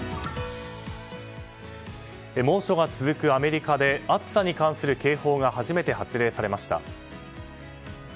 猛暑が続くアメリカで暑さに関する警報が初めて発令されました。